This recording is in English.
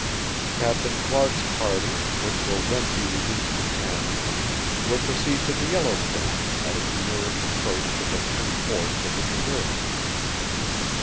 Captain Clark's party, which will then be reduced to ten, will proceed to the Yellowstone, at its nearest approach to the Three Forks of the Missouri.